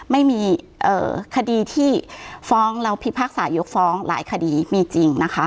ไม่มีคดีที่ฟ้องแล้วพิพากษายกฟ้องหลายคดีมีจริงนะคะ